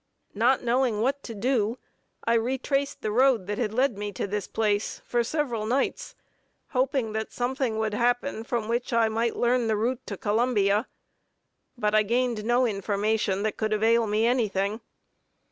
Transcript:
Not knowing what to do, I retraced the road that had led me to this place for several nights, hoping that something would happen from which I might learn the route to Columbia; but I gained no information that could avail me anything.